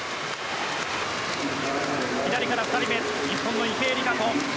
左から２人目日本の池江璃花子。